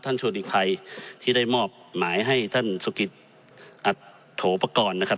ท่านชวดิกภัยที่ได้มอบหมายให้ท่านสุขิตอัดโถประกอบนะครับ